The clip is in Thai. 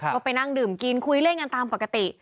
ก็ไปนั่งดื่มกินคุยเล่นกันตามปกติ